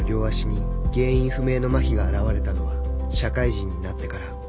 上山選手の両足に原因不明のまひが現れたのは社会人になってから。